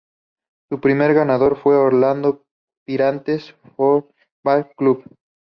Su primer ganador fue el Orlando Pirates Football Club.